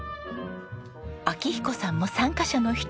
明彦さんも参加者の一人。